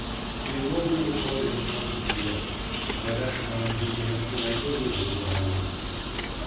The enrolment for voting comes too late. By that time he may have joined the looters' army.